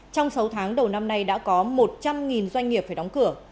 trong sáu tháng đầu năm nay đã có một trăm linh doanh nghiệp phải đóng cửa